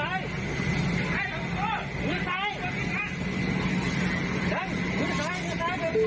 ครับ